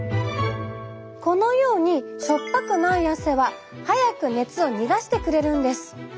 このように塩っぱくない汗は早く熱を逃がしてくれるんです。